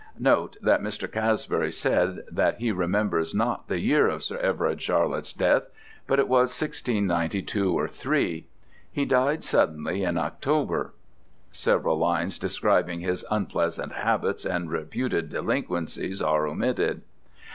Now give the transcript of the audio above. "Note that Mr. Casbury said that he remembers not the year of Sir Everard Charlett's death, but it was 1692 or 3. He died suddenly in October. [Several lines describing his unpleasant habits and reputed delinquencies are omitted.